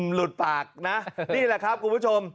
หลุดปากนะนี่แหละครับคุณผู้ชม